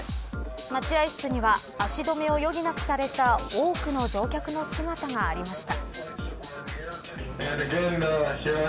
待合室には足止めを余儀なくされた多くの乗客の姿がありました。